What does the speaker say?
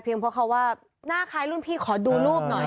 เพราะเขาว่าหน้าคล้ายรุ่นพี่ขอดูรูปหน่อย